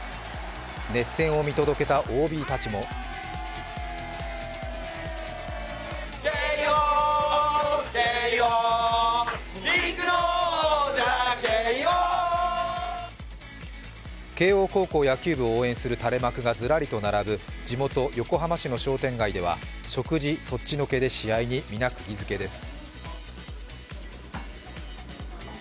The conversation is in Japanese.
熱戦を見届けたＯＢたちも慶応高校野球部を応援する垂れ幕がずらりと並ぶ地元・横浜市の商店街では、食事そっちのけで試合にくぎ付けです。